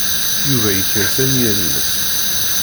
Yuba yekres anyir-nnes.